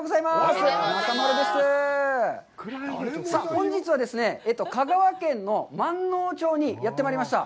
本日はですね、香川県のまんのう町にやってまいりました。